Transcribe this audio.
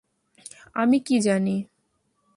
আমি কি জানি?